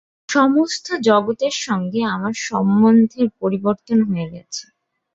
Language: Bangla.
সমস্ত জগতের সঙ্গে আমার সম্বন্ধের পরিবর্তন হয়ে গেছে।